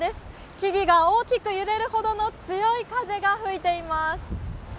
木々が大きく揺れるほどの強い風が吹いています。